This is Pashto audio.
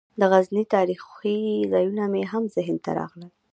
د غزني تاریخي ځایونه مې هم ذهن ته راغلل.